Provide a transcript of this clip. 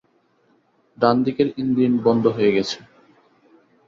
ডানদিকের ইঞ্জিন বন্ধ হয়ে গেছে!